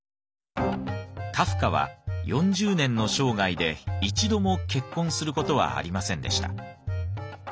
カフカは４０年の生涯で一度も結婚する事はありませんでした。